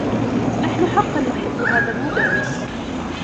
نحن حقّا نحبّ هذا المدرّس.